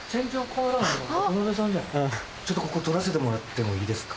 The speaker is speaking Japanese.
ちょっとここ撮らせてもらってもいいですか？